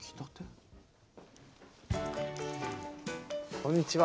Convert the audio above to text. こんにちは。